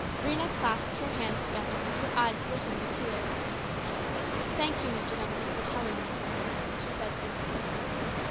Rhena clasped her hands together, and her eyes glistened with tears. " Thank you, Mr. Duncan, for telling me," she said simply.